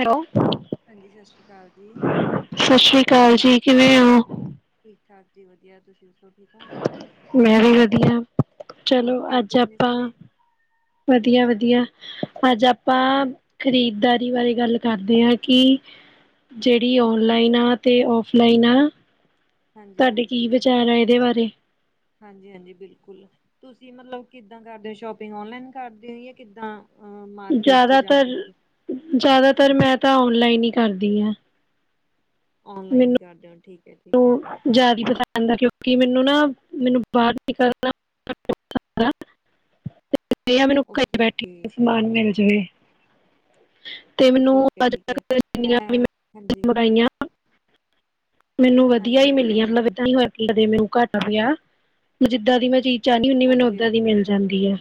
Hello. ਹਾਂਜੀ, ਸਤਿ ਸ਼੍ਰੀ ਅਕਾਲ ਜੀ। ਸ਼ਸ਼ਰੀਅਕਾਲ ਜੀ ਕਿਵੇਂ ਹੋ? ਠੀਕ, ਠਾਕ ਜੀ ਵਧੀਆ ਤੁਸੀਂ ਦੱਸੋ ਠੀਕ ਹੋ? ਮੈਂ ਵੀ ਵਧੀਆ, ਚਲੋ ਹੋਰ ਘਰ ਅੱਜ ਠੀਕ ਨੇ ਆਪਾਂ ਸਾਰੇ? ਵਧੀਆ-ਵਧੀਆ ਅੱਜ ਆਪਾਂ ਖ਼ਰੀਦਦਾਰੀ, ਬਾਰੇ ਗੱਲ ਕਰਦੇ ਕੀ ਜਿਹੜੀ ਔਨਲਾਈਨ ਆ 'ਤੇ ਔਫਲਾਈਨ ਆ ਹਾਂਜੀ ਤੁਹਾਡੇ ਕੀ ਵਿਚਾਰ ਆ ਇਹਦੇ ਬਾਰੇ? ਹਾਂਜੀ-ਹਾਂਜੀ ਬਿਲਕੁਲ ਤੁਸੀਂ ਮਤਲਬ ਕਿੱਦਾਂ ਕਰਦੇ ਹੋ ਸ਼ੋਪਿੰਗ ਔਨਲਾਈਨ ਕਰਦੇ ਹੋ ਜਾਂ ਕਿੱਦਾਂ ਅਹ ਮਾਰਕੀਟ 'ਚ' ਜਾ ਕੇ। ਜ਼ਿਆਦਾਤਰ ਜ਼ਿਆਦਾਤਰ ਮੈਂ ਤਾਂ ਔਨਲਾਈਨ ਹੀ ਕਰਦੀ ਹਾਂ। ਔਨਲਾਈਨ ਹੀ ਮੈਨੂੰ ਕਰਦੇ ਓ ਠੀਕ ਹੈ, ਠੀਕ ਹੈ। ਜ਼ਿਆਦਾ ਹੀ ਪਤਾ ਹੁੰਦਾ, ਕਿਉਂਕਿ ਮੈਨੂੰ ਨਾ ਮੈਨੂੰ ਬਾਹਰ ਨਿਕਲਣਾ ਅਉਖਾ ਲੱਗਦਾ। [inaudible] ਮੈਨੂੰ ਇਹ ਆ ਮੈਨੂੰ ਘਰੇ ਓਕੇ ਬੈਠੀ ਓਕੇ ਨੂੰ ਸਮਾਨ ਮਿਲ ਜਾਵੇ। ਠੀਕ ਹੈ ਠੀਕ ਹੈ ਮੈਂ ਹਾਂਜੀ [unintelligible] ਮੈਨੂੰ ਵਧੀਆ ਹੀ ਹਾਂਜੀ ਮਿਲੀਆਂ, ਹਾਂਜੀ ਮਤਲਬ ਏਦਾਂ ਨਹੀਂ ਹੋਇਆ ਮੈਨੂੰ ਘੱਟ ਪਿਆ, ਜਿੱਦਾਂ ਦੀ ਮੈਂ ਚੀਜ਼ ਚਾਹਨੀ ਹੁੰਨੀ ਆ ਮੈਨੂੰ ਓਕੇ ਓਦਾਂ ਦੀ ਓਕੇ ਮਿਲ ਜਾਂਦੀ ਹੈ।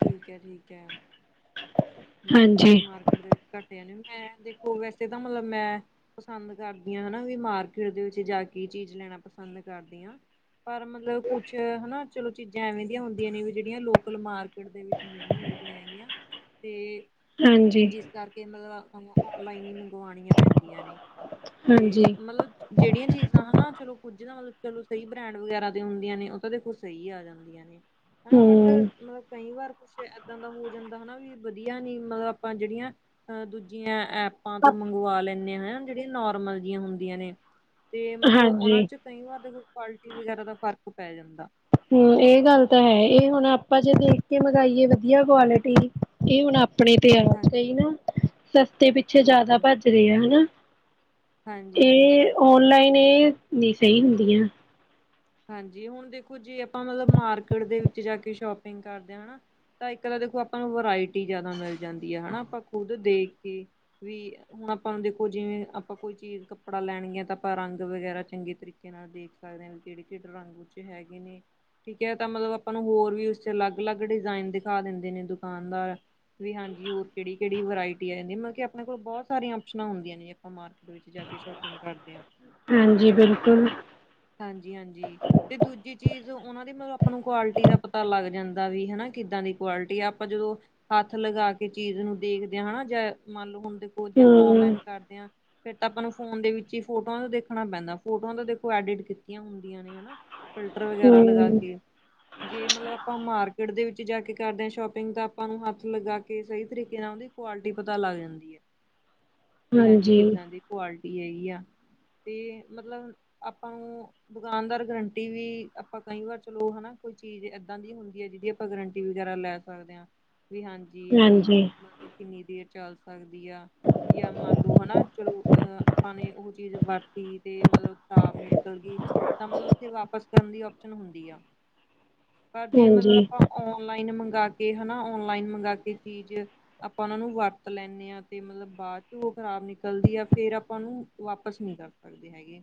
ਠੀਕ ਹੈ, ਠੀਕ ਹੈ। ਮਤਲਬ ਹਾਂਜੀ, ਤੁਸੀਂ ਮਾਰਕੀਟ ਦੇ ਵਿੱਚ ਘੱਟ ਜਾਨੇ ਓ, ਮੈਂ ਦੇਖੋ ਵੈਸੇ ਤਾਂ ਮਤਲਬ ਮੈਂ ਪਸੰਦ ਕਰਦੀਆਂ ਹਨਾ ਵੀ ਮਾਰਕੀਟ ਦੇ ਵਿੱਚ ਜਾ ਕੇ ਚੀਜ਼ ਲੈਣਾ ਪਸੰਦ ਕਰਦੀ ਹਾਂ। ਪਰ ਮਤਲਬ ਕੁਛ ਹਨਾ ਚਲੋ ਚੀਜ਼ਾਂ ਐਵੇਂ ਦੀਆਂ ਹੁੰਦੀਆਂ ਨੇ ਵੀ ਜਿਹੜੀਆਂ ਲੋਕਲ ਮਾਰਕੀਟ ਦੇ ਵਿੱਚ ਨਹੀਂ ਮਿਲਦੀਆਂ ਹੈਗੀਆਂ। ਤੇ ਹਾਂਜੀ। ਜਿਸ ਕਰਕੇ ਮਤਲਬ ਔਨਲਾਈਨ ਹੀ ਮੰਗਵਾਉਣੀਆਂ ਪੈਂਦੀਆਂ ਨੇ [inaudible] 'ਤੇ ਹਾਂਜੀ ਮਤਲਬ ਜਿਹੜੀਆਂ ਚੀਜ਼ਾਂ ਹਨਾ ਚਲੋ ਕੁੱਝ ਨਾ ਮਤਲਬ ਚਲੋ ਸਹੀ ਬ੍ਰੈਂਡ ਵਗੈਰਾ ਦੇ ਹੁੰਦੀਆਂ ਨੇ ਉਹ ਤਾਂ ਦੇਖੋ ਸਹੀ ਆ ਜਾਂਦੀ। ਨੇ ਹਨਾ, ਬਟ ਹੂੰ। ਮਤਲਬ ਕਈ ਵਾਰ ਕੁਛ ਇਦਾਂ ਦਾ ਹੋ ਜਾਂਦਾ ਹਨਾ ਵੀ ਵਧੀਆ ਨੀ ਮਤਲਬ ਆਪਾਂ ਜਿਹੜੀਆਂ ਆ ਦੂਜੀਆਂ ਐਪਾਂ ਤੋਂ ਮੰਗਵਾ ਲੈਂਦੇ ਹੈ ਹਨਾ। ਜਿਹੜੀਆਂ ਨੋਰਮਲ ਜਹੀਆਂ ਹੁੰਦੀਆਂ ਨੇ 'ਤੇ ਮਤਲਬ ਹਾਂਜੀ ਉਹਨਾਂ 'ਚ ਕਈ ਵਾਰ ਦੇਖੋ ਕੁਆਲਿਟੀ ਵਗੈਰਾ ਦਾ ਫ਼ਰਕ ਪੈ ਜਾਂਦਾ। ਹਮ, ਇਹ ਗੱਲ ਤਾਂ ਹੈ ਇਹ ਹੁਣ ਆਪਾਂ ਜੇ ਦੇਖ ਕੇ ਮੰਗਾਈਏ ਵਧੀਆ ਕੁਆਲਿਟੀ ਇਹ ਹੁਣ ਆਪਣੇ 'ਤੇ' ਹੈ ਹਾਂਜੀ ਕਈ ਨਾ ਸਸਤੇ ਪਿੱਛੇ ਜ਼ਿਆਦਾ ਬਿਲਕੁਲ ਭੱਜ ਰਹੇ ਆ ਹਨਾ ਹਾਂਜੀ ਇਹ, ਹਾਂਜੀ ਔਨਲਾਈਨ ਇਹ ਨਹੀਂ ਸਹੀ ਹੁੰਦੀਆਂ। ਹਾਂਜੀ, ਹੁਣ ਦੇਖੋ ਜੇ ਆਪਾਂ ਮਤਲਬ ਮਾਰਕੀਟ ਦੇ ਵਿੱਚ ਜਾ ਕੇ ਸ਼ੋਪਿੰਗ ਕਰਦੇ ਹਾਂ ਹਨਾ ਤਾਂ ਇੱਕ ਤਾਂ ਦੇਖੋ ਆਪਾਂ ਨੂੰ ਵਰਾਇਟੀ ਜਿਆਦਾ ਮਿਲ ਜਾਂਦੀ ਆ ਹਨਾ, ਆਪਾਂ ਖੁੱਦ ਦੇਖ ਕੇ ਵੀ ਹੁਣ ਆਪਾਂ ਨੂੰ ਦੇਖੋ ਜਿਵੇਂ ਆਪਾਂ ਕੋਈ ਚੀਜ਼ ਕੱਪੜਾ ਲੈਣਗੀਆਂ ਤਾਂ ਆਪਾਂ ਰੰਗ ਵਗੈਰਾ ਚੰਗੇ ਤਰੀਕੇ ਦੇਖ ਸਕਦੇ ਹਾਂ ਵੀ ਕਿਹੜੇ-ਕਿਹੜੇ ਰੰਗ ਉੱਚੇ ਹੈਗੇ ਨੇ। ਠੀਕ ਏ ਤਾਂ ਮਤਲਬ ਆਪਾਂ ਨੂੰ ਹੋਰ ਵੀ ਉਸ 'ਚ ਅਲੱਗ- ਅਲੱਗ ਡਿਜ਼ਾਇਨ ਦਿਖਾ ਦਿੰਦੇ ਨੇ ਦੁਕਾਨਦਾਰ ਵੀ ਹਾਂਜੀ ਹੋਰ ਕਿਹੜੀ- ਕਿਹੜੀ ਵਰਾਇਟੀ ਆ ਜਾਂਦੀ, ਮਤਲਬ ਆਪਣੇ ਕੋਲ ਬਹੁਤ ਸਾਰੀਆਂ ਆਪਸ਼ਨਾਂ ਹੁੰਦੀਆਂ ਜੇ ਆਪਾਂ ਮਾਰਕੀਟ ਵਿੱਚ ਜਾ ਕੇ ਸ਼ੋਪਿੰਗ ਕਰਦੇ ਹਾਂ। ਹਾਂਜੀ, ਬਿਲਕੁਲ। ਜੀ ਹਾਂਜੀ। 'ਤੇ ਦੂਜੀ ਚੀਜ਼ ਉਹਨਾਂ ਦੀ ਮਤਲਬ ਆਪ ਨੂੰ ਕੁਆਲਿਟੀ ਦਾ ਪਤਾ ਲੱਗ ਜਾਂਦਾ ਵੀ, ਹਨਾ ਕਿੱਦਾਂ ਦੀ ਕੁਆਲਿਟੀ ਆ ਆਪਾਂ ਜਦੋਂ ਹੱਥ ਲਗਾ ਕੇ ਚੀਜ਼ ਨੂੰ ਦੇਖਦੇ ਹਾਂ ਹਨਾ, ਜਾਂ ਮੰਨ ਲਓ ਹੁਣ ਦੇਖੋ ਜੇ ਆਪਾਂ ਹੂੰ, ਔਨਲਾਈਨ ਕਰਦੇ ਹਾਂ ਫਿਰ ਤਾਂ ਆਪਾਂ ਨੂੰ ਫੋਨ ਦੇ ਵਿੱਚ ਹੀ ਫੋਟੋਆਂ ਦਾ ਦੇਖਣਾ ਪੈਂਦਾ ਫੋਟੋਆਂ ਦਾ ਦੇਖੋ ਐਡਿਟ ਹੁੰਦੀਆਂ ਨੇ ਹਨਾ, ਫਿਲਟਰ ਵਗੈਰਾ ਲਗਾ ਹੂੰ ਕੇ ਜੇ ਮਤਲਬ ਆਪਾਂ ਮਾਰਕੀਟ ਦੇ ਵਿੱਚ ਜਾ ਕੇ ਕਰਦੇ ਹਾਂ, ਸ਼ੋਪਿੰਗ ਤਾਂ ਆਪਾਂ ਨੂੰ ਹੱਥ ਲਗਾ ਕੇ ਸਹੀ ਤਰੀਕੇ ਨਾਲ਼ ਉਹਦੀ ਕੁਆਲਟੀ ਪਤਾ ਲੱਗ ਜਾਂਦੀ ਹੈ। [inaudible] ਵੀ ਹਾਂਜੀ ਕਿੱਦਾਂ ਦੀ ਕੁਆਲਿਟੀ ਹੈਗੀ ਆ, 'ਤੇ ਮਤਲਬ ਆਪਾਂ ਨੂੰ ਦੁਕਾਨਦਾਰ ਗਰੰਟੀ ਵੀ ਆਪਾਂ ਕਈ ਵਾਰ ਚਲੋ ਹਨਾ ਕੋਈ ਚੀਜ਼ ਏਦਾਂ ਦੀ ਹੁੰਦੀ ਹੈ ਜਿਹਦੀ ਆਪਾਂ ਗਰੰਟੀ ਵਗੈਰਾ ਲੈ ਸਕਦੇ ਹਾਂ, ਵੀ ਹਾਂਜੀ। ਜੀ ਵੀ ਹਾਂਜੀ। ਮਤਲਬ ਕਿੰਨੀ ਦੇਰ ਚੱਲ ਸਕਦੀ ਆ, ਕੀ ਆ ਮੰਨ ਲਓ ਹਨਾ ਚਲੋ, ਅਹ ਆਪਾਂ ਨੇ ਉਹ ਚੀਜ਼ ਵਰਤੀ 'ਤੇ ਮਤਲਬ ਖਰਾਬ ਨਿਕਲ ਗਈ। ਤਾਂ ਮਤਲਬ ਉੱਥੇ ਵਾਪਸ ਕਰਨ ਦੀ ਆਪਓਸ਼ਨ ਹੁੰਦੀ ਆ, ਪਰ ਜੇ ਮਤਲਬ ਹਾਂਜੀ ਆਪਾਂ ਔਨਲਾਈਨ ਮੰਗ ਕੇ ਹਨਾ, ਔਨਲਾਈਨ ਮੰਗਾਂ ਕੇ ਚੀਜ਼ ਆਪਾਂ ਉਹਨਾਂ ਨੂੰ ਵਰਤ ਲੈਂਦੇ ਹਾਂ ਤੇ ਮਤਲਬ ਬਾਅਦ ਚ ਉਹ ਖ਼ਰਾਬ ਨਿਕਲਦੀ ਆ ਫੇਰ ਆਪਾਂ ਉਹਨੂੰ ਵਾਪਿਸ ਨੀ ਕਰ ਸਕ ਕਰਦੀ ਹੈਗੇ।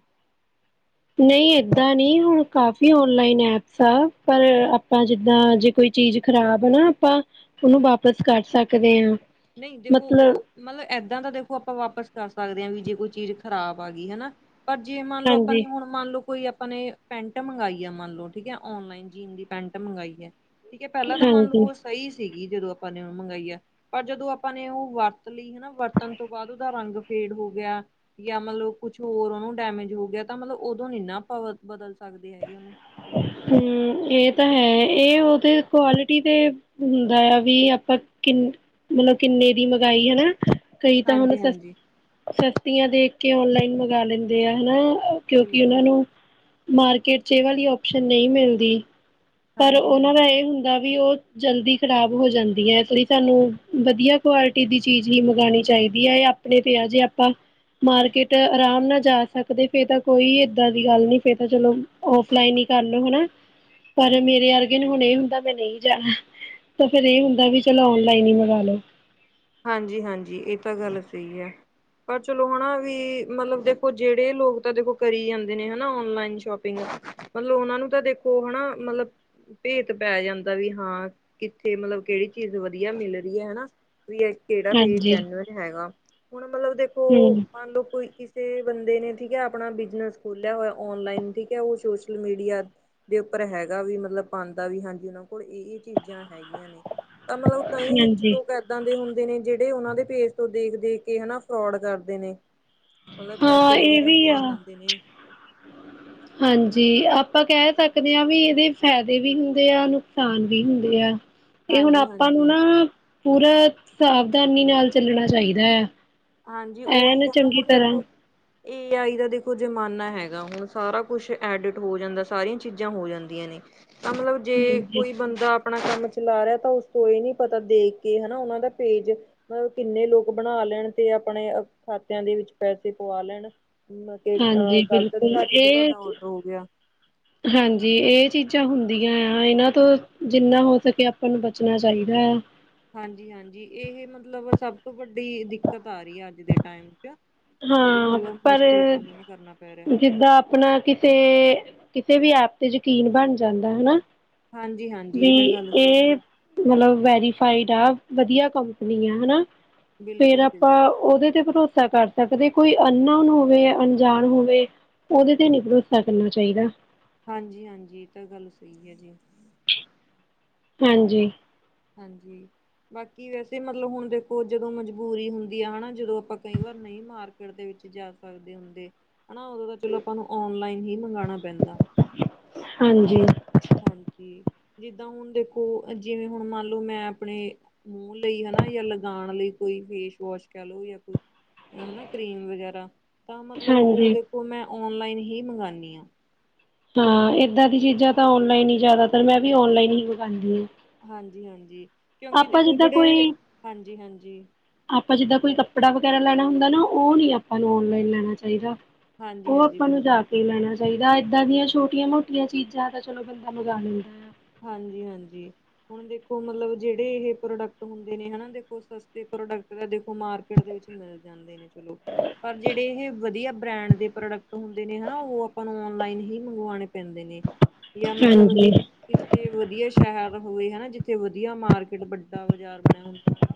ਨਹੀਂ ਏਦਾਂ ਨਹੀਂ ਹੁਣ ਕਾਫ਼ੀ ਔਨਲਾਈਨ ਐਪਸ ਆ ਪਰ ਆਪਾਂ ਜਿੱਦਾਂ ਜੇ ਕੋਈ ਚੀਜ਼ ਖ਼ਰਾਬ ਨਾ ਆਪਾਂ ਉਹਨੂੰ ਵਾਪਿਸ ਕਰ ਸਕਦੇ ਹਾਂ। ਨਹੀਂ ਦੇਖੋ ਮਤਲਬ ਉਹ ਮਤਲਬ ਏਦਾਂ ਦਾ ਦੇਖੋ ਆਪਾਂ ਵਾਪਿਸ ਕਰ ਸਕਦੇ ਹਾਂ ਵੀ ਜੇ ਕੋਈ ਚੀਜ਼ ਖ਼ਰਾਬ ਆ ਗਈ ਹਨਾ। ਪਰ ਮੰਨ ਲਓ ਜੇ ਆਪਾਂ ਹਾਂਜੀ ਨੇ ਹੁਣ ਮੰਨ ਲੋ ਕੋਈ ਆਪਾਂ ਨੇ ਪੈਂਟ ਮੰਗਾਈ ਆ ਮੰਨ ਲਓ ਠੀਕ ਆ ਔਨਲਾਈਨ ਜੀਨ ਦੀ ਪੈਂਟ ਮੰਗਾਈ ਆ ਠੀਕ ਹੈ ਪਹਿਲਾਂ ਤਾਂ ਮੰਨ ਹਾਂਜੀ ਲਓ ਉਹ ਸਹੀ ਸੀਗੀ ਜਦੋਂ ਆਪਾਂ ਨੇ ਮੰਗਾਈ ਆ ਪਰ ਜਦੋਂ ਆਪਾਂ ਨੇ ਉਹ ਵਰਤ ਲਈ ਹਨਾ ਵਰਤਣ ਤੋਂ ਬਾਅਦ ਉਹਦਾ ਰੰਗ ਫੇਡ ਹੋ ਗਿਆ ਜਾਂ ਮਤਲਬ ਕੁਛ ਹੋਰ ਉਹਨੂੰ ਡੈਮੇਜ ਹੋ ਗਿਆ ਤਾਂ ਮਤਲਬ ਉਦੋਂ ਨੀ ਨਾ ਬਦਲ ਸਕਦੇ ਹੈਗੇ ਉਹਨੂੰ। ਹਮ ਇਹ ਤਾਂ ਹੈ, ਇਹ ਉਹਦੇ ਕੁਆਲਿਟੀ ਦੇ ਹੁੰਦਾ ਆ ਵੀ ਆਪਾਂ ਕਿਨ ਮਤਲਬ ਕਿੰਨੇ-ਕਿੰਨੇ ਦੀ ਮੰਗਾਈ ਹਨਾ ਕਈ ਤਾਂ ਹੁਣ ਸ, ਹਾਂਜੀ-ਹਾਂਜੀ ਸਸਤੀਆਂ ਦੇਖ ਕੇ ਓਨਲਾਈਨ ਮੰਗਵਾ ਲੈਂਦੇ ਆ ਹਨਾ ਕਿਉਂਕਿ ਉਹਨਾਂ ਬਿਲਕੁਲ ਨੂੰ ਮਾਰਕੀਟ ਚ ਇਹ ਵਾਲੀ ਓਸ਼ਨ ਨਹੀਂ ਮਿਲਦੀ। ਪਰ ਉਹਨਾਂ ਦਾ ਹਾਂਜੀ-ਹਾਂਜੀ, ਇਹ ਹੁੰਦਾ ਵੀ ਉਹ ਜਲਦੀ ਖ਼ਰਾਬ ਹੋ ਜਾਂਦੀ ਆ ਇਸ ਲਈ ਸਾਨੂੰ ਵਧੀਆ ਕੁਆਲਿਟੀ ਦੀ ਚੀਜ਼ ਹੀ ਮੰਗਉਣੀ ਚਾਹੀਦੀ ਆ ਜਾਂ ਆ ਆਪਣੇ 'ਤੇ' ਆ ਜੇ ਆਪਾਂ ਮਾਰਕੀਟ ਆਰਾਮ ਨਾਲ ਜਾ ਸਕਦੇ ਫਿਰ ਤਾਂ ਕੋਈ ਏਦਾਂ ਦੀ ਗੱਲ ਨੀ ਫੇਰ ਤਾਂ ਚਲੋ ਔਫਲਾਈਨ ਹੀ ਕਰਨ ਲੋ ਹਨਾ। ਪਰ ਮੇਰੇ ਅਰਗੇ ਨੂੰ ਹੁਣ ਇਹ ਹੁੰਦਾ ਮੈਂ ਨਹੀਂ ਜਾਣਾ ਤਾਂ ਫੇਰ ਇਹ ਹੁੰਦਾ ਵੀ ਚਲੋ ਓਨਲਾਈਨ ਹੀ ਮੰਗਵਾ ਲੋ। ਹਾਂਜੀ- ਹਾਂਜੀ ਇਹ ਤਾਂ ਗੱਲ ਸਹੀ ਹੈ। ਪਰ ਚਲੋ ਹਨਾ ਵੀ ਮਤਲਬ ਦੇਖੋ ਜਿਹੜੇ ਲੋਕ ਤਾਂ ਦੇਖੋ ਕਰੀ ਜਾਂਦੇ ਨੇ ਹਨਾ ਓਨਲਾਈਨ ਸ਼ੋਪਿੰਗ ਮਤਲਬ ਉਹਨਾਂ ਨੂੰ ਤਾਂ ਦੇਖੋ ਹਨਾ ਮਤਲਬ ਭੇਤ ਪੈ ਜਾਂਦਾ ਵੀ ਹਾਂ, ਕਿੱਥੇ ਮਤਲਬ ਕਿਹੜੀ ਚੀਜ਼ ਵਧੀਆ ਮਿਲ ਰਹੀ ਹੈ ਹਨਾ। ਵੀ ਕਿਹੜਾ ਪੇਜ ਹਾਂਜੀ ਜੈਨੂਅਨ ਹੈਗਾ। ਹੁਣ ਮਤਲਬ ਦੇਖੋ ਹਮ। ਮੰਨ ਲਓ ਕੋਈ ਕਿਸੇ ਬੰਦੇ ਨੇ ਠੀਕ ਹੈ ਆਪਣਾ ਬਿਜਨਸ ਖੋਲਿਆ ਹੋਇਆ ਔਨਲਾਈਨ ਠੀਕ ਹੈ ਉਹ ਸੋਸ਼ਲ ਮੀਡੀਆ ਦੇ ਉੱਪਰ ਹੈਗਾ ਵੀ ਮਤਲਬ ਪਾਉਂਦਾ ਵੀ ਹਾਂਜੀ ਉਹਨਾਂ ਕੋਲ ਇਹ-ਇਹ ਚੀਜ਼ਾਂ ਹੈਗੀਆਂ ਨੇ। ਮਤਲਬ ਕਈ ਵਿੱਚ ਹਾਂਜੀ ਲੋਕ ਐਦਾ ਦੇ ਹੁੰਦੇ ਨੇ ਜਿਹੜੇ ਉਹਨਾਂ ਦੇ ਪੇਜ ਤੋਂ ਦੇਖ -ਦੇਖ ਕੇ ਹਨਾ ਫਰੌਡ ਕਰਦੇ ਨੇ। ਮਤਲਬ ਹਾਂ ਪੈਸੇ ਇਹ ਵਗੈਰਾ ਵੀ ਪਵਾ ਆ ਲੈਂਦੇ ਨੇ। ਹਾਂਜੀ ਆਪਾਂ ਕਹਿ ਸਕਦੇ ਹਾਂ ਵੀ ਇਹਦੇ ਫਾਇਦੇ ਵੀ ਹੁੰਦੇ ਆ ਨੁਕਸਾਨ ਵੀ ਹੁੰਦੇ ਆ। ਇਹ ਹੁਣ ਆਪਾਂ ਹਾਂਜੀ-ਹਾਂਜੀ। ਨੂੰ ਹਾਂਜੀ ਨਾ ਪੂਰਾ ਸਾਵਧਾਨੀ ਨਾਲ ਚੱਲਣਾ ਚਾਹੀਦਾ ਆ। ਹਾਂਜੀ ਉਹੀ ਐਨ ਹੈ ਨਾ ਚੰਗੀ ਹੁਣ ਤਰ੍ਹਾਂ ਦੇਖੋ ਏ ਆਈ ਦਾ ਦੇਖੋ ਜ਼ਮਾਨਾ ਹੈਗਾ ਹੁਣ ਸਾਰਾ ਕੁਛ ਐਡਿਟ ਹੋ ਜਾਂਦਾ ਸਾਰੀਆਂ ਚੀਜ਼ਾਂ ਹੋ ਜਾਂਦੀਆਂ ਨੇ। ਮਤਲਬ ਜੇ ਹਾਂਜੀ ਕੋਈ ਬੰਦਾ ਆਪਣਾ ਕੰਮ ਚਲਾ ਰਿਹਾ ਤਾਂ ਉਸ ਤੋਂ ਇਹ ਨੀ ਪਤਾ ਦੇਖ ਕੇ ਹਨਾ ਉਹਨਾਂ ਦਾ ਪੇਜ ਮਤਲਬ ਕਿੰਨੇ ਲੋਕ ਬਣਾ ਲੈਣ ਤੇ ਆਪਣੇ ਖਾਤਿਆਂ ਦੇ ਵਿੱਚ ਪੈਸੇ ਪਵਾ ਲੈਣ। ਮ ਅਹ ਹਾਂਜੀ ਗਲਤ ਬਿਲਕੁਲ ਦਿਖਾ ਕੇ ਕੀ ਇਹ ਤੁਹਾਡਾ ਔਡਰ ਹੋ ਗਿਆ। ਹਾਂਜੀ ਇਹ ਚੀਜ਼ਾਂ ਹੁੰਦੀਆਂ ਆ ਇਹਨਾਂ ਤੋਂ ਜਿੰਨਾ ਹੋ ਸਕੇ ਆਪਾਂ ਨੂੰ ਬਚਣਾ ਚਾਹੀਦਾ ਆ। ਹਾਂਜੀ ਹਾਂਜੀ ਇਹ ਮਤਲਬ ਸਭ ਤੋਂ ਵੱਡੀ ਦਿੱਕਤ ਆ ਰਹੀ ਹੈ ਅੱਜ ਦੇ ਟਾਈਮ 'ਚ। ਜਿਹੜੀ ਹਾਂ ਮਤਲਬ ਪਰ, ਮੁਸ਼ਕਿਲ ਸਾਹਮਣਾ ਕਰਨਾ ਪੈ ਰਿਹਾ ਜਿੱਦਾਂ ਆ ਆਪਣਾ ਕਿਸੇ, ਕਿਸੇ ਵੀ ਐਪ ਤੇ ਯਕੀਨ ਬਣ ਜਾਂਦਾ ਹਨਾ। ਹਾਂਜੀ - ਹਾਂ। ਵੀ ਇਹ, ਮਤਲਬ ਵੈਰੀਫਾਈਡ ਆ ਵਧੀਆ ਕੰਪਨੀ ਆ ਹਨਾ। ਫੇਰ ਆਪਾਂ ਬਿਲਕੁਲ-ਬਿਲਕੁਲ ਉਹਦੇ ਤੇ ਭਰੋਸਾ ਕਰਦੇ ਸਕਦੇ ਕੋਈ ਅਨਨੋਨ ਹੋਵੇ, ਅਣਜਾਣ ਹੋਵੇ ਉਹਦੇ ਤੇ ਨਹੀ ਭਰੋਸਾ ਕਰਨਾ ਚਾਹੀਦਾ ਹਾਂਜੀ - ਹਾਂਜੀ, ਇਹ ਤਾਂ ਗੱਲ ਸਹੀ ਹੈ ਜੀ। ਹਾਂ, ਹਾਂਜੀ ਹਾਂਜੀ। ਬਾਕੀ ਵੈਸੇ ਮਤਲਬ ਹੁਣ ਦੇਖੋ ਜਦੋਂ ਮਜਬੂਰੀ ਹੁੰਦੀ ਆ ਹਨਾ। ਜਦੋਂ ਆਪਾਂ ਕਈ ਵਾਰ ਨਹੀਂ ਮਾਰ ਮਾਰਕੀਟ ਦੇ ਵਿੱਚ ਜਾ ਸਕਦੇ ਹੁੰਦੇ ਹਨਾ ਤਾਂ ਚਲੋ ਆਪਾਂ ਔਨਲਾਈਨ ਹੀ ਮੰਗਵਾਉਣਾ ਪੈਂਦਾ ਹਾਂਜੀ। ਹਾਂਜੀ ਜਿੱਦਾਂ ਹੁਣ ਦੇਖੋ, ਜਿਵੇਂ ਹੁਣ ਮੰਨ ਲਓ ਮੈਂ ਆਪਣੇ ਮੂੰਹ ਲਈ ਹਨਾ ਜਾਂ ਲਗਾਉਣ ਲਈ ਕੋਈ ਫੇਸ ਵਾਸ਼ ਕਹਿ ਲਓ ਜਾਂ ਕੋਈ ਹਨਾ ਕਰੀਮ ਵਗੈਰਾ ਤਾਂ ਮਤਲਬ ਉਹ ਹਾਂਜੀ ਦੇਖੋ ਮੈਂ ਔਨਲਾਈਨ ਹੀ ਮੰਗਵਾਉਂਦੀ ਹਾਂ ਹਾਂ ਏਦਾਂ ਦੀ ਚੀਜ਼ਾਂ ਤਾਂ ਔਨਲਾਈਨ ਹੀ ਜ਼ਿਆਦਾਤਰ, ਮੈਂ ਵੀ ਔਨਲਾਈਨ ਹੀ ਮਗਵਾਉਂਦੀ ਹਾਂ ਹਾਂਜੀ - ਹਾਂਜੀ, ਕਿਉਂਕਿ ਆਪਾਂ ਦੇਖੋ ਜਿੱਦਾਂ ਜਿਹੜੇ ਕੋਈ ਹਾਂਜੀ - ਹਾਂਜੀ। ਆਪਾਂ ਜਿੱਦਾਂ ਕੋਈ ਕੱਪੜਾ ਵਗੈਰਾ ਲੈਣਾ ਹੁੰਦਾ ਨਾ ਉਹ ਨੀ ਆਪਾਂ ਨੂੰ ਔਨਲਾਈਨ ਲੈਣਾ ਚਾਹੀਦਾ ਹਾਂਜੀ ਉਹ ਹਾਂਜੀ ਆਪਾਂ ਨੂੰ ਬਿਲਕੁਲ ਜਾ ਕੇ ਲੈਣਾ ਚਾਹੀਦਾ ਏਦਾਂ ਦੀਆਂ ਛੋਟੀਆਂ -ਮੋਟੀਆਂ ਚੀਜ਼ਾਂ ਤਾਂ ਚਲੋ ਬੰਦਾ ਮੰਗਾ ਲੈਂਦਾ ਹੈ ਹਾਂਜੀ - ਹਾਂਜੀ। ਹੁਣ ਦੇਖੋ ਮਤਲਬ ਜਿਹੜੇ ਇਹ ਪ੍ਰੋਡਕਟ ਹੁੰਦੇ ਨੇ ਹਨਾ, ਦੇਖੋ ਸਸਤੇ ਪ੍ਰੋਡਕਟ ਦਾ ਦੇਖੋ ਮਾਰਕੀਟ ਦੇ ਵਿੱਚ ਮਿਲ ਜਾਂਦੇ ਨੇ ਚਲੋ ਪਰ ਜਿਹੜੇ ਇਹ ਵਧੀਆ ਬਰੈਂਡ ਦੇ ਪ੍ਰੋਡਕਟ ਹੁੰਦੇ ਨੇ ਹਨਾ ਉਹ ਆਪਾਂ ਨੂੰ ਔਨਲਾਈਨ ਹੀ ਮੰਗਵਾਉਣੇ ਪੈਂਦੇ ਨੇ ਜਾਂ ਮਤਲਬ ਹਾਂਜੀ ਕਿਤੇ ਵਧੀਆ ਸ਼ਹਿਰ ਹੋਵੇ ਹਨਾ ਜਿੱਥੇ ਵਧੀਆ ਮਾਰਕੀਟ, ਵੱਡਾ ਬਾਜ਼ਾਰ ਬਣਿਆ ਹੁੰਦਾ ਹਨਾ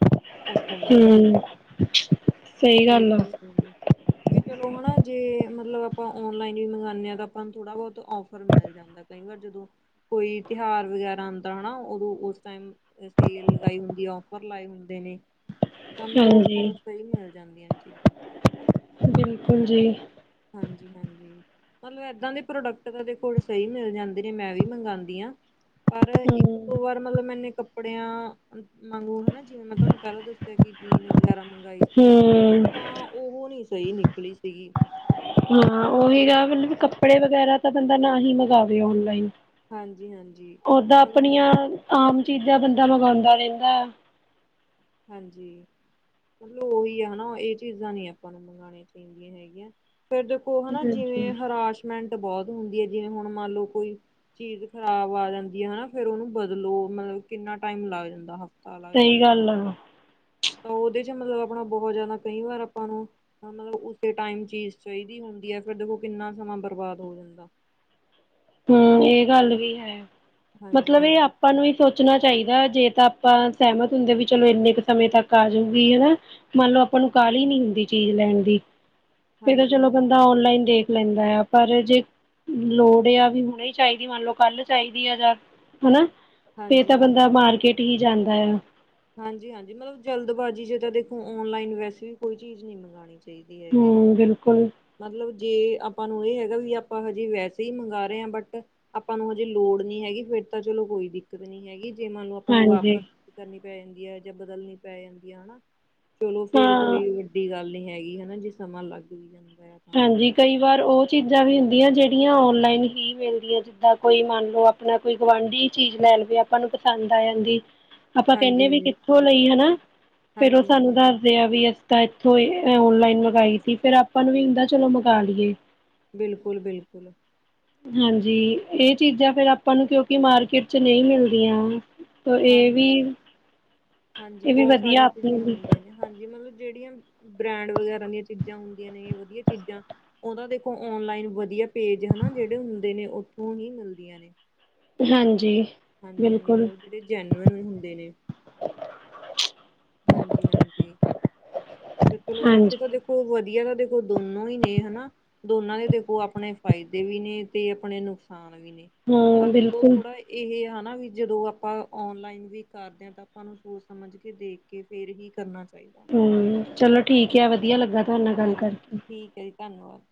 ਉੱਥੋਂ ਮਿਲਦੇ ਹਮ, ਸਹੀ ਗੱਲ ਆ। ਹੋ ਨਹੀਂ ਵੀ ਚਲੋ ਹਨਾ ਜੇ ਆਪਾਂ ਔਨਲਾਈਨ ਵੀ ਮੰਗਵਾਉਂਦੇ ਹਾਂ ਤਾਂ ਆਪਾਂ ਥੋੜ੍ਹਾ ਬਹੁਤ ਔਫਰ ਮਿਲ ਜਾ ਕਈ ਵਾਰ ਜਦੋਂ ਕੋਈ ਤਿਉਹਾਰ ਵਗੈਰਾ ਆਉਂਦਾ ਹਨਾ ਉਦੋਂ ਉਸ ਟਾਈਮ ਸੇਲ ਲਗਾਈ ਹੁੰਦੀ ਆ ਔਫਰ ਲਾਏ ਹੁੰਦੇ ਨੇ ਤਾਂ ਮਤਲਬ ਉਸ ਹਾਂਜੀ ਟਾਈਮ 'ਚ' ਤਾਂ ਇਹ ਮਿਲ ਜਾਂਦੀਆਂ ਨੇ ਚੀਜ਼ਾਂ ਹਾਂਜੀ ਬਿਲਕੁਲ ਜੀ। ਹਾਂਜੀ - ਹਾਂਜੀ। ਮਤਲਬ ਏਦਾਂ ਦੇ ਪ੍ਰੋਡਕਟ ਤਾਂ ਸਹੀ ਮਿਲ ਜਾਂਦੇ ਨੇ ਮੈਂ ਵੀ ਮੰਗਵਾਉਂਦੀ ਹਾਂ ਪਰ ਇੱਕ ਹੂੰ ਦੋ ਵਾਰ ਮਤਲਬ ਮੈਨੇ ਕ ਕੱਪੜਿਆਂ ਮਾਗੂ ਹਨ ਜਿਵੇਂ ਮੈਂ ਤੁਹਾਨੂੰ ਪਹਿਲਾਂ ਦੱਸਿਆ ਕਿ ਜੀਨ ਵਗੈਰਾ ਮੰਗਾਈ ਸੀਗੀ ਹੂੰ ਤਾਂ ਉਹ ਨੀ ਸਹੀ ਨਿਕਲੀ ਸੀਗੀ ਹਾਂ ਉਹੀ ਗਾ ਮਤਲਬ ਕੱਪੜੇ ਵਗੈਰਾ ਤਾਂ ਬੰਦਾ ਨਾ ਹੀ ਮੰਗਵੇ ਔਨਲਾਈਨ ਹਾਂਜੀ - ਹਾਂਜੀ। ਓਦਾਂ ਆਪਣੀਆਂ ਆਮ ਚੀਜ਼ਾਂ ਬੰਦਾ ਮੰਗਵਾਉਂਦਾ ਰਹਿੰਦਾ ਹਾਂਜੀ, ਮਤਲਬ ਉਹੀ ਆ ਹਨਾ ਇਹ ਚੀਜ਼ਾਂ ਨੀ ਆਪਾਂ ਨੂੰ ਮੰਗਵਾਉਣੀਆਂ ਚਾਹੀ ਹੈਗੀਆਂ ਫੇਰ ਦੇਖੋ ਹਨਾ ਹਾਂਜੀ ਜਿਵੇਂ ਹਰਾਸ਼ ਮੈਂਟ ਬਹੁਤ ਹੁੰਦੀ ਹੈ ਜਿਵੇਂ ਹੁਣ ਮੰਨ ਲਓ ਕੋਈ ਚੀਜ਼ ਖ਼ਰਾਬ ਆ ਜਾਂਦੀ ਹੈ ਹਨਾ ਫੇਰ ਉਹਨੂੰ ਬਦਲੋ ਮਤਲਬ ਕਿੰਨਾ ਟਾਈਮ ਲੱਗ ਜਾਂਦਾ ਤਾਲਾਦਾ ਸਹੀ ਗੱਲ ਆ ਤਾਂ ਉਹਦੇ 'ਚ ਮਤਲਬ ਆਪਣਾ ਬਹੁਤ ਜ਼ਿਆਦਾ ਕਈ ਵਾਰ ਆਪਾਂ ਨੂੰ ਮਤਲਬ ਉਸੇ ਟਾਈਮ ਚੀਜ਼ ਚਾਹੀਦੀ ਹੁੰਦੀ ਹੈ ਫਿਰ ਦੇਖੋ ਕਿੰਨਾ ਸਮਾਂ ਬਰਬਾਦ ਹੋ ਜਾਂਦਾ ਹਮ ਇਹ ਗੱਲ ਵੀ ਹੈ ਹਾਂਜੀ ਮਤਲਬ ਇਹ ਹਾਂਜੀ ਆਪਾਂ ਨੂੰ ਵੀ ਸੋਚਣਾ ਚਾਹੀਦਾ ਹੈ ਜੇ ਤਾਂ ਆਪਾਂ ਸਹਿਮਤ ਹੁੰਦੇ ਵੀ ਚਲੋ ਇੰਨੇ ਕੁ ਸਮੇਂ ਤੱਕ ਆ ਜਾਊਗੀ ਹਨਾ ਮੰਨ ਲਓ ਆਪਾਂ ਨੂੰ ਕਾਹਲੀ ਨੀ ਹੁੰਦੀ ਚੀਜ਼ ਲੈਣ ਦੀ ਫਿਰ ਤਾਂ ਹਾਂਜੀ ਚਲੋ ਹਾਂਜੀ ਬੰਦਾ ਔਨਲਾਈਨ ਦੇਖ ਲੈਂਦਾ ਆ ਪਰ ਜੇ ਲੋੜ ਆ ਹੁਣੀ ਚਾਹੀਦੀ ਮੰਨ ਲਓ ਕੱਲ ਚਾਹੀਦੀ ਆ ਜਾਂ ਹਨਾ ਫਿਰ ਹਾਂਜੀ ਤਾਂ ਹਾਂਜੀ ਬੰਦਾ ਮਾਰਕੀਟ ਟੀ ਹੀ ਜਾਂਦਾ ਆ ਹਾਂਜੀ - ਹਾਂਜੀ ਮਤਲਬ ਜਲਦਬਾਜ਼ੀ 'ਚ' ਤਾਂ ਦੇਖੋ ਔਨਲਾਈਨ ਵੈਸੇ ਵੀ ਕੋਈ ਚੀਜ਼ ਨਹੀ ਮੰਗਵਾਉਣੀ ਚ ਚਾਹੀਦੀ ਹੈਗੀ। ਹੂੰ ਬਿਲਕੁਲ ਮਤਲਬ, ਜੇ ਆਪਾਂ ਨੂੰ ਇਹ ਹੈਗਾ ਵੀ ਆਪਾਂ ਹਜੇ ਵੈਸੇ ਹੀ ਮੰਗਾਂ ਰਹੇ ਹਾਂ ਬਟ ਆਪਾਂ ਨੂੰ ਹਜੇ ਲੋੜ ਨਹੀਂ ਹੈਗੀ ਫਿਰ ਤਾਂ ਚਲੋ ਕੋਈ ਦਿੱਕਤ ਨੀ ਹੈਗੀ। ਜੇ ਮੰਨ ਲਓ ਆਪਾਂ ਨੂੰ ਹਾਂਜੀ ਵਾਪਸ ਕਰਨੀ ਪੈ ਜਾਂਦੀ ਹੈ ਜਾਂ ਬਦਲਣੀ ਪੈ ਜਾਂਦੀ ਹੈ ਹਨਾ? ਚਲੋ ਫੇਰ ਹਾਂ ਕੋਈ ਵੱਡੀ ਗੱਲ ਨਹੀਂ ਹੈਗੀ ਹਨਾ ਜੇ ਸਮਾਂ ਲੱਗ ਵੀ ਜਾਂਦਾ ਆ। ਹਾਂਜੀ ਕਈ ਵਾਰ ਉਹ ਚੀਜ਼ਾਂ ਵੀ ਹੁੰਦੀਆਂ ਜਿਹੜੀਆਂ ਔਨ-ਲਾਈਨ ਹੀ ਮਿਲਦੀਆਂ ਜਿੱਦਾਂ ਕੋਈ ਮੰਨ ਲਓ ਆਪਾ ਆਪਣਾ ਕੋਈ ਗੁਆਂਢੀ ਚੀਜ਼ ਲੈ ਗਿਆ ਆਪਾਂ ਨੂੰ ਪਸੰਦ ਆ ਜਾਂਦੀ। [inaudible] ਆਪਾਂ ਕਹਿਨੇ ਵੀ ਹਾਂਜੀ ਕਿੱਥੋਂ ਲਈ ਹਨਾ ਫੇਰ ਉਹ ਹਾਂਜੀ ਸਾਨੂੰ ਹਾਂਜੀ ਦੱਸ ਦੇ ਆ ਵੀ ਅਸੀਂ ਤਾਂ ਇੱਥੋਂ ਓਨ-ਲਾਈਨ ਮੰਗਈ ਸੀ ਫੇਰ ਆਪਾਂ ਨੂੰ ਵੀ ਹੁੰਦਾ ਚਲੋ ਮੰਗਾ ਲਈਏ। ਬਿਲਕੁਲ- ਬਿਲਕੁਲ ਹਾਂਜੀ, ਇਹ ਚੀਜ਼ਾਂ ਫਿਰ ਆਪਾਂ ਨੂੰ ਕਿਉਂਕਿ ਮਾਰਕੀਟ 'ਚ'ਨਹੀਂ ਮਿਲਦੀਆਂ। ਤੇ ਇਹ ਹਾਂਜੀ ਵੀ। ਹਾਂਜੀ, ਇਹ ਵੀ ਬਹੁਤ ਵਧੀਆ ਸਾਰੀਆਂ ਆਪਣੇ ਚੀਜ਼ਾਂ ਲਈ ਹੁੰਦੀਆਂ ਨੇ ਹਾਂਜੀ ਮਤਲਬ ਜਿਹੜੀਆਂ ਬ੍ਰੈਂਡ ਵਗੈਰਾ ਦੀਆਂ ਚੀਜ਼ਾਂ ਹੁੰਦੀਆਂ ਨੇ ਵਧੀਆ ਚੀਜ਼ਾਂ ਉਹ ਤਾ ਦੇਖੋ ਔਨਲਾਈਨ ਵਧੀਆ ਪੇਜ ਹਨਾ ਜਿਹੜੇ ਹੁੰਦੇ ਨੇ ਹਨਾ ਉੱਥੋਂ ਹੀ ਮਿਲਦੀਆਂ ਨੇ। ਹਾਂਜੀ। ਹਾਂਜੀ- ਹਾਂਜੀ ਬਿਲਕੁਲ ਮਤਲਬ ਜਿਹੜੇ ਜੈਨੂਅਨ ਹੁੰਦੇ ਨੇ। ਹਾਂਜੀ- ਹਾਂਜੀ, ਤੇ ਚਲੋ ਵੈਸੇ ਹਾਂਜੀ ਤਾਂ ਦੇਖੋ। ਊ ਵਧੀਆ, ਦੇਖ ਦੋਨੋਂ ਨੇ ਹਨਾ। ਦੋਨਾਂ ਦੇ ਦੇਖੋ ਆਪਣੇ ਫਾਇਦੇ ਵੀ ਨੇ, ਤੇ ਆਪਣੇ ਨੁਕਸਾਨ ਵੀ ਨੇ, ਹਾਂ ਪਰ ਚਲੋ ਬਿਲਕੁਲ ਥੋੜਾ ਇਹ ਹਨਾ ਵੀ ਜਦੋਂ ਆਪਾਂ ਔਨ-ਲਾਈਨ ਵੀ ਕਰਦੇ ਹਾਂ, ਤਾਂ ਆਪਾਂ ਨੂੰ ਸੋਚ ਸਮਝ ਕੇ ਦੇਖ ਕੇ ਫੇਰ ਹੀ ਕਰਨਾ ਚਾਹੀਦਾ। ਹਮ, ਚਲੋ ਠੀਕ ਐ ਵਧੀਆ ਲੱਗਾ, ਤੁਹਾਡੇ ਨਾਲ ਗੱਲ ਹਾਂਜੀ ਕਰਕੇ। ਠੀਕ ਹੈ ਜੀ ਧੰਨਵਾਦ।